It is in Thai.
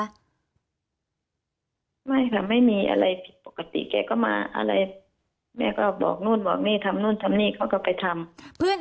ไม่ค่ะไม่มีอะไรผิดปกติแกก็มาอะไรแม่ก็บอกนู่นบอกนี่ทำนู่นทำนี่เขาก็ไปทำเพื่อน